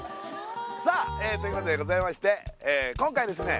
さあということでございまして今回ですね